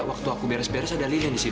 waktu aku beres beres ada lilin di situ